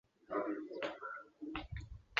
城墙有二至三层的跑马道。